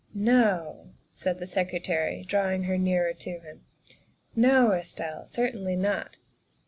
" No," said the Secretary, drawing her nearer to him, '' no, Estelle, certainly not.